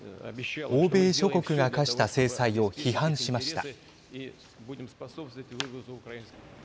欧米諸国が科した制裁を批判しました。